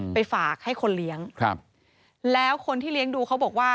ไปฝากให้คนเลี้ยงครับแล้วคนที่เลี้ยงดูเขาบอกว่า